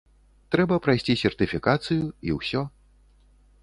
Трэба прайсці сертыфікацыю, і ўсё.